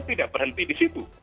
tidak berhenti disitu